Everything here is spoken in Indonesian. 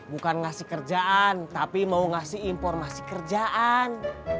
bukan ngasih kerjaan tapi mau ngasih informasi kerjaan